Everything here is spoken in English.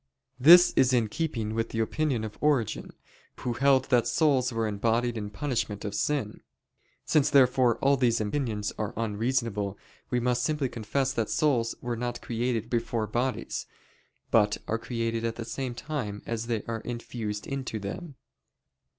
This is in keeping with the opinion of Origen, who held that souls were embodied in punishment of sin. Since, therefore, all these opinions are unreasonable, we must simply confess that souls were not created before bodies, but are created at the same time as they are infused into them.